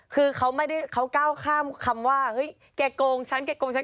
คือเขาก้าวข้ามคำว่าเฮ้ยแกโกงฉันแกโกงฉัน